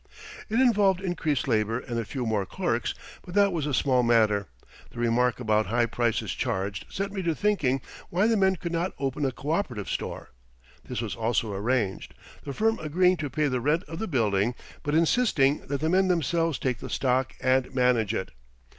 It involved increased labor and a few more clerks, but that was a small matter. The remark about high prices charged set me to thinking why the men could not open a coöperative store. This was also arranged the firm agreeing to pay the rent of the building, but insisting that the men themselves take the stock and manage it.